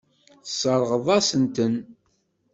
Tesseṛɣeḍ-as-ten.